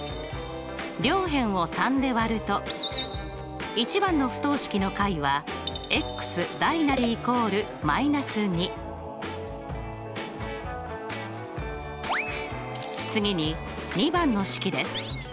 両辺を３で割ると１番の不等式の解は次に２番の式です。